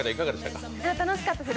楽しかったです